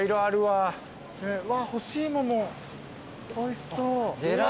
干し芋もおいしそう。